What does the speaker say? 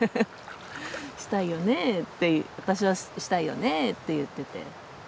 「したいよねえ」って私は「したいよねえ」って言ってて。